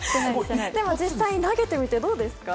実際、投げてみてどうですか？